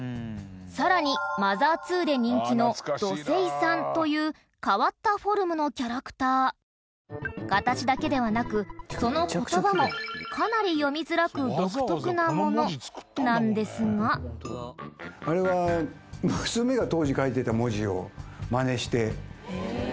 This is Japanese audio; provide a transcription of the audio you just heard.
更に『ＭＯＴＨＥＲ２』で人気の、どせいさんという変わったフォルムのキャラクター形だけではなく、その言葉もかなり読みづらく独特なものなんですがあれは、娘が当時書いてた文字をマネして。